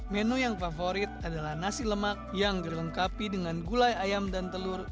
menu yang favorit adalah nasi lemak yang dilengkapi dengan gulai ayam dan telur